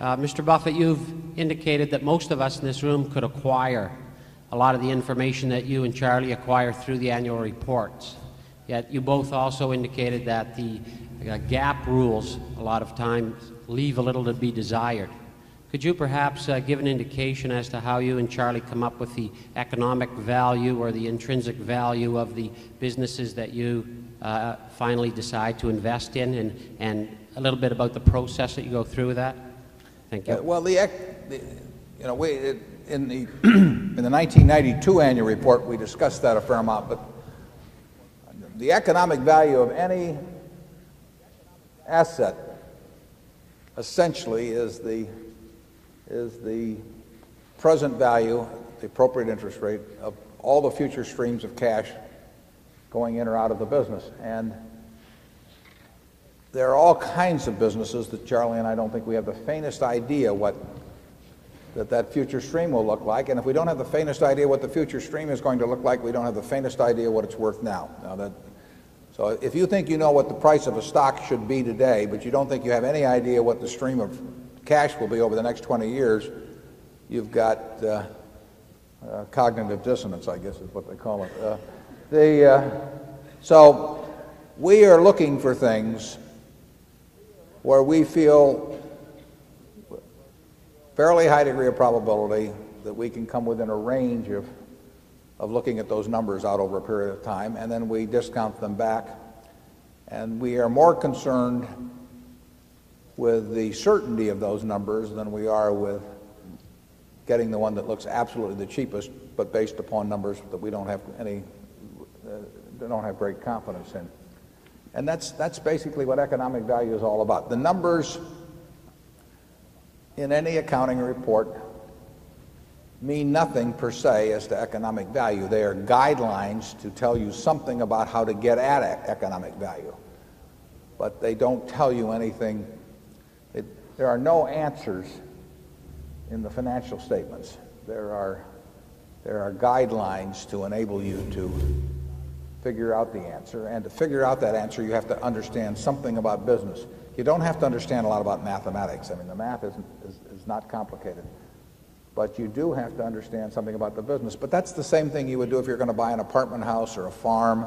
Mr. Buffet, you've indicated that most of us in this room could acquire a lot of the information that you and Charlie acquire through the annual reports. Yet you both also indicated that the GAAP rules a lot of times leave a little to be desired. Could you perhaps give an indication as to how you and Charlie come up with the economic value or the intrinsic value of the businesses that you finally decide to invest in? And a little bit about the process that you go through with that? Thank you. Well, in the 1992 annual report, we discussed that a fair amount. But the economic value of any asset essentially is the present value, the appropriate interest rate of all the future streams of cash going in or out of the business. And there are all kinds of businesses that Charlie and I don't think we have the faintest idea what that, that future stream will look like. And if we don't have the faintest idea what the future stream is going to look like, we don't have the faintest idea what it's worth now. So if you think you know what the price of a stock should be today but you don't think you have any idea what the stream of cash will be over the next 20 years, you've got cognitive dissonance, I guess, is what they call it. So we are looking for things where we feel fairly high degree of probability that we can come within a range of looking at those numbers out over a period of time and then we discount them back. And we are more concerned with the certainty of those numbers than we are with getting the one that looks absolutely the cheapest, but based upon numbers that we don't have any they don't have great confidence in. And that's basically what economic value is all about. The numbers in any accounting report mean nothing per se as to economic value. They are guidelines to tell you something about how to get at economic value, but they don't tell you anything. There are no answers in the financial statements. There are guidelines to enable you to figure out the answer. And to figure out that answer, you have to understand something about business. You don't have to understand a lot about mathematics. I mean, the math is not complicated. But you do have to understand something about the business. But that's the same thing you would do if you're going to buy an house or a farm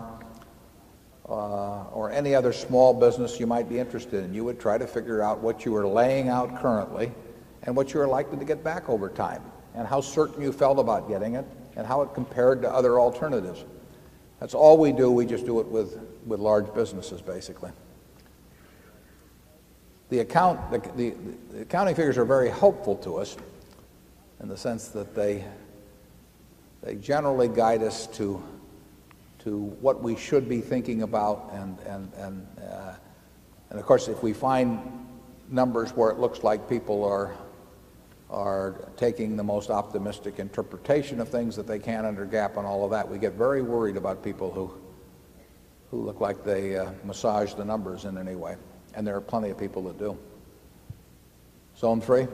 or any other small business you might be interested in. You would try to figure out what you are laying out currently and what you are likely to get back over time and how certain you felt about getting it and how it compared to other alternatives. That's all we do. We just do it with large businesses, basically. The accounting figures are very helpful to us in the sense that they generally guide us to what we should be thinking about. And, of course, if we find numbers where it looks like people are taking the most optimistic interpretation of things that they can under GAAP and all of that, we get very worried about people who who look like they, massage the numbers in any way. And there are plenty of people that do. Zone 3.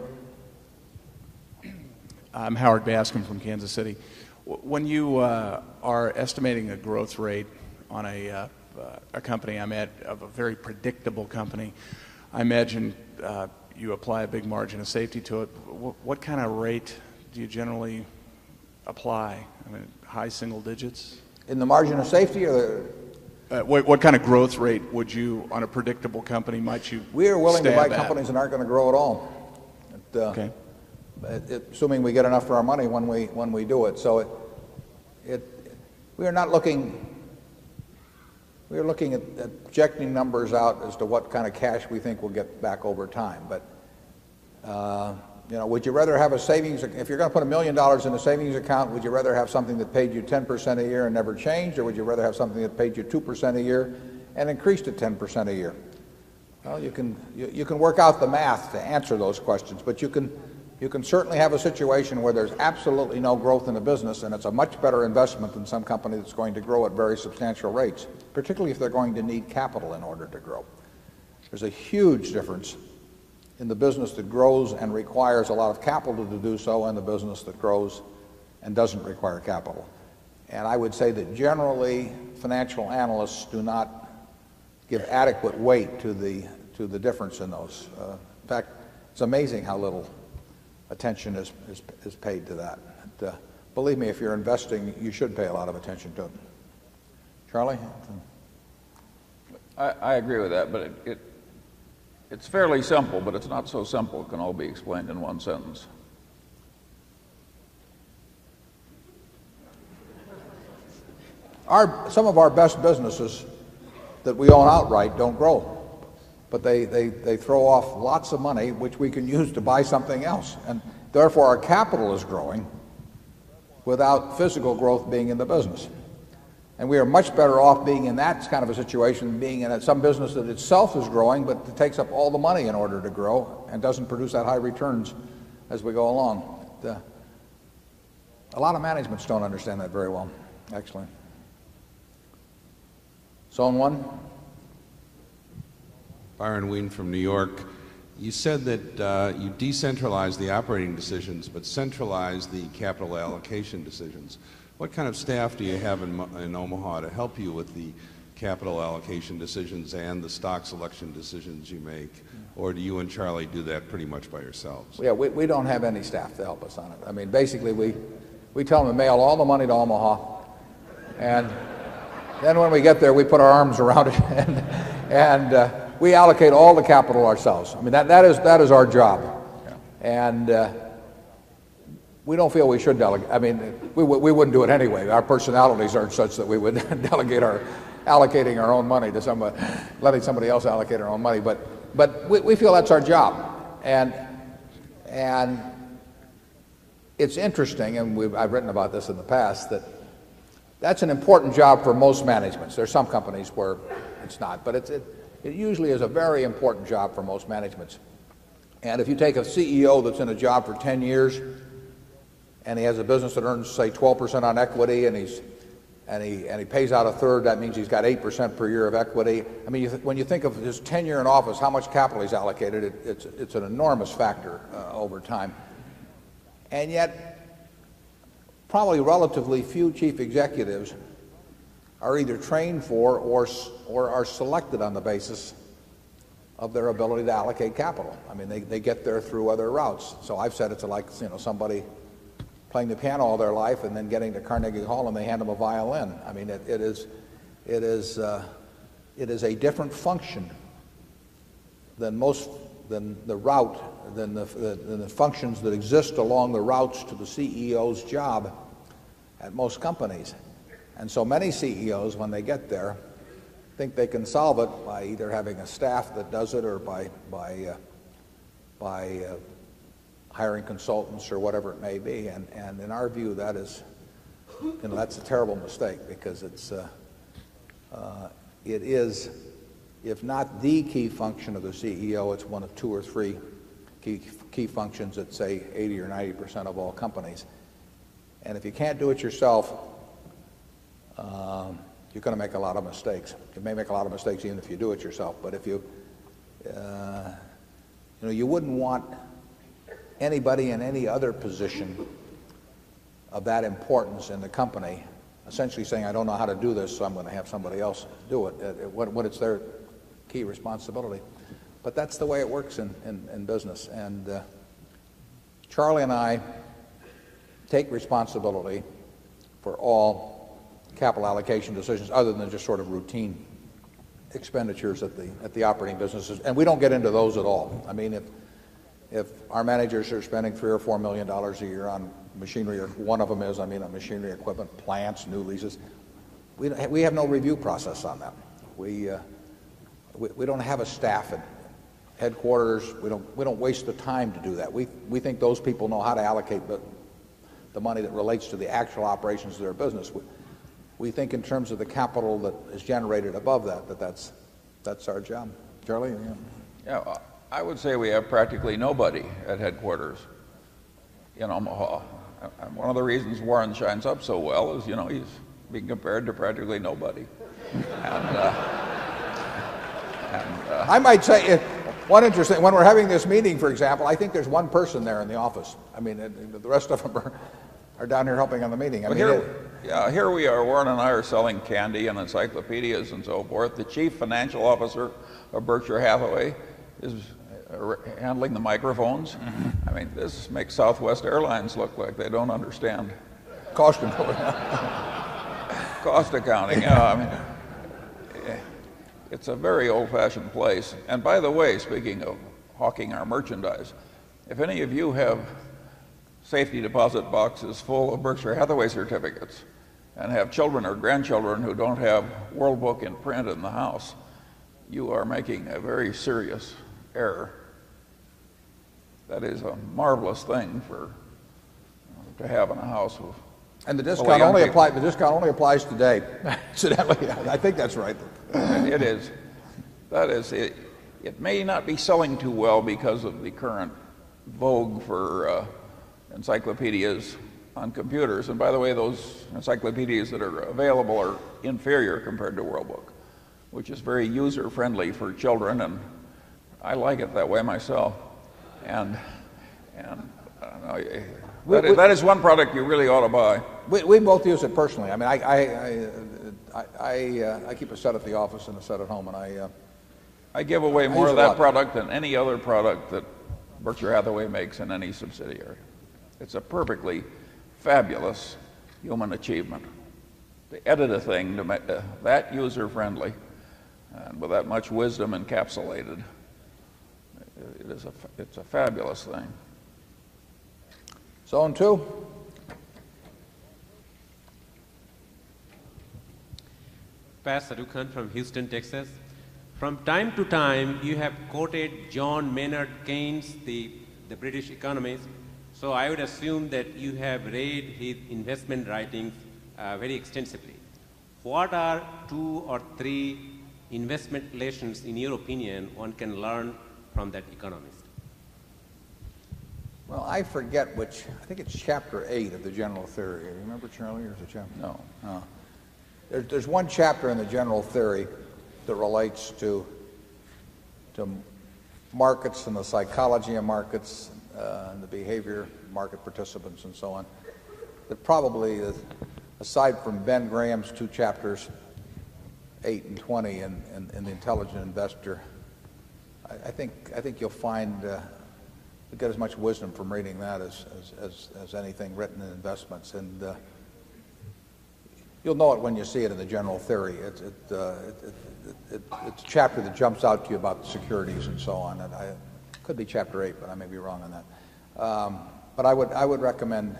I'm Howard Baskin from Kansas City. When you are estimating a growth rate on a company, I meant, of a very predictable company, I imagine you apply a big margin of safety to it. What kind of rate do you generally apply? I mean, high single digits? In the margin of safety or What kind of growth rate would you on a predictable company might you stay back? We are willing to buy companies that aren't going to we are looking we are looking at objecting numbers out as to what kind of cash we think we'll get back over time. But, would you rather have a savings if you're going to put $1,000,000 in a savings account, would you rather have something that paid you 10% a year and never change? Or would you rather have something that paid you 2% a year and increased to 10% a year? Well, you can work out the math to answer those questions, but you can certainly have a situation where there's absolutely no growth in the business and it's a much better investment than some company that's going to grow at very substantial rates, particularly if they're going to need capital in order to grow. There's a huge difference in the business that grows and requires a lot of capital to do so and the business that grows and doesn't require capital. And I would say that generally, financial analysts do not give adequate weight to the difference in those. In In fact, it's amazing how little attention is paid to that. Believe me, if you're investing, you should pay a lot of attention to it. Charlie? I agree with that. But it's fairly simple, but it's not so simple. It can all be explained in one sentence. Some of our best businesses that we own outright don't grow, But they throw off lots of money which we can use to buy something else. And therefore, our capital is growing without physical growth being in the business. And we are much better off being in that kind of a situation, being in some business that itself is growing but takes up all the money in order to grow and doesn't produce that high returns as we go along. A lot of managements don't understand that very well. Excellent. Zone 1. Byron Wynne from New York. You said that, you decentralized the operating decisions but centralized the capital allocation decisions. What kind of staff do you have in Omaha to help you with the capital allocation decisions and the stock selection decisions you make? Or do you and Charlie do that pretty much by yourselves? Yeah. We don't have any staff to help us on it. I mean, basically, we tell them to mail all the money to Omaha and then when we get there, we put our arms around it and we allocate all the capital ourselves. I mean, that is our job. And we don't feel we should delegate. I mean, we wouldn't do it anyway. Our personalities aren't such that we wouldn't delegate our allocating our own money to somebody letting somebody else allocate our own money. But we feel that's our job. And it's interesting and I've written about this in the past that that's an important job for most managements. There are some companies where it's not, but it's it usually is a very important job for most managements. And if you take a CEO that's in a job for 10 years and he has a business that earns, say, 12% on equity and he pays out a third, that means he's got 8% per year of equity. I mean, when you think of his tenure in office, how much capital he's allocated, it's an enormous factor over time. And yet, probably relatively few chief executives are either trained for or are selected on the basis of their ability to allocate capital. I mean, they get there through other routes. So I've said it's like, you know, somebody playing the piano all their life and then getting to Carnegie Hall and they hand them a violin. I mean, it is a different function than most than the route than the functions that exist along the routes to the CEO's job at most companies. And so many CEOs, when they get there, think they can solve it by either having a staff that does it or by hiring consultants or whatever it may be. And in our view, that is and that's a terrible mistake because it's it is, if not the key function of the CEO, it's 1 of 2 or 3 key functions that say 80% or 90% of all companies. And if you can't do it yourself, you're going to make a lot of mistakes. You may make a lot of mistakes even if you do it yourself. But if you, you know, you wouldn't want anybody in any other position of that importance in the company essentially saying, I don't know how to do this, so I'm going to have somebody else do it. What is their key responsibility? But that's the way it works in business. And Charlie and I take responsibility for all capital allocation decisions other than just sort of routine expenditures at the operating businesses. And we don't get into those at all. I mean, if our managers are spending $3,000,000 or $4,000,000 a year on machinery or one of them is, I mean, on machinery, equipment, plants, new leases, we have no review process on them. We don't have a staff at headquarters. We don't waste the time to do that. We think those people know how to allocate the money that relates to the actual operations of their business. We think in terms of the capital that is generated above that, that that's our job. Charlie? I would say we have practically nobody at headquarters in Omaha. One of the reasons Warren shines up so well is, you know, he's being compared to practically nobody. I might say, one interesting, when we're having this meeting, for example, I think there's one person there in the office. I mean, the rest of them are down here helping on the meeting. I mean, here. Yeah. Here we are. Warren and I are selling candy and encyclopedias and so forth. The Chief Financial Officer of Berkshire Hathaway is handling the microphones. I mean, this makes Southwest Airlines look like they don't understand cost accounting. It's a very old fashioned place. And by the way, speaking of hawking our merchandise, if any of you have safety deposit boxes full of Berkshire Hathaway certificates and have children or grandchildren who don't have World Book in print in the house, you are making a very serious error. That is a marvelous thing for to have in a house of And the discount only applies today. I think that's right. It is. That is it. It may not be selling too well because of the current vogue for encyclopedias on computers. And by the way, those encyclopedias that are available are inferior compared to World Book, which is very user friendly for children. And I like it that way myself. And that is one product you really ought to buy. We both use it personally. I mean, I keep a set at the office and a set at home. I give away more of that product than any other product that Berkshire Hathaway makes in any subsidiary. It's a perfectly fabulous human achievement. The editor thing to make that user friendly with that much wisdom encapsulated. It's a fabulous thing. Zone 2. From Houston, Texas. From time to time, you have quoted John Maynard Keynes, the British economist. So I would assume that you have read his investment writing very extensively. What are 2 or 3 investment relations in your opinion one can learn from that economist? Well, I forget which I think it's chapter 8 of the general theory. Remember, Charlie? There's a chapter No. There's one chapter in the general theory that relates to markets and the psychology of markets and the behavior market participants and so on. But probably aside from Ben Graham's 2 chapters 820 in the Intelligent Investor, investments. And you'll know it when you see it in the general theory. It's a chapter that jumps out to you about securities and so on. And it could be Chapter 8, but I may be wrong on that. But I would recommend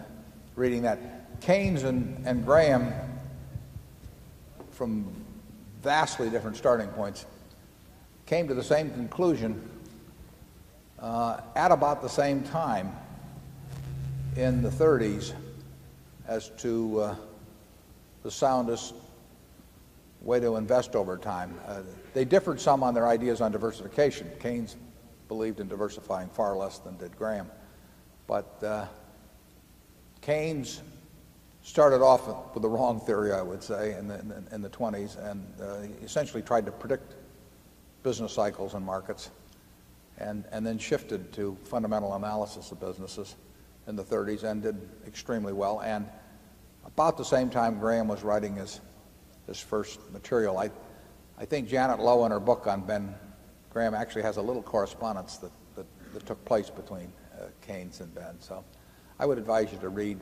reading that. Keynes and and Graham from vastly different starting points came to the same conclusion at about the same time in the thirties as to the soundest way to invest over time. They differed some on their ideas on diversification. Keynes believed in diversifying far less than did Graham. But Keynes started off with the wrong theory, I would say, in the '20s and essentially tried to predict business cycles and markets and then shifted to fundamental analysis of businesses in the '30s and did I think Janet Lowe in her book on Ben Graham actually has a little correspondence that took place between Keynes and Ben. So I would advise you to read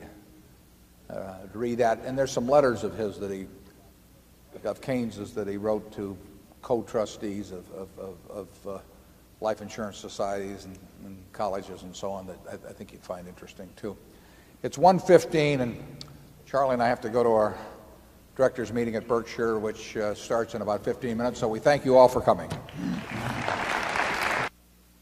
that. And there are some letters of his that he of Keynes' that he wrote to co trustees of life insurance societies and colleges and so on that I think you'd find interesting too. It's 115 and Charlie and I have to go to our directors meeting at Berkshire, which starts in about 15 minutes. So we thank you all for coming.